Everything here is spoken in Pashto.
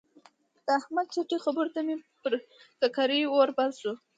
د احمد چټي خبرو ته مې پر ککرۍ اور بل شو.